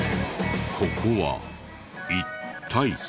ここは一体？